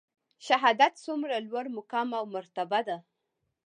شهادت څومره لوړ مقام او مرتبه ده؟